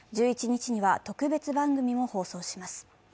１１日には特別番組も放送します。